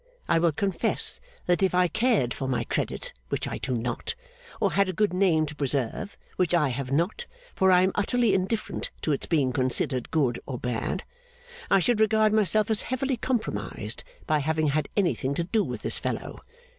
I will confess that if I cared for my credit (which I do not), or had a good name to preserve (which I have not, for I am utterly indifferent to its being considered good or bad), I should regard myself as heavily compromised by having had anything to do with this fellow.